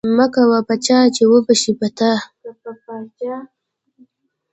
مکوه په چا چی اوبشی په تا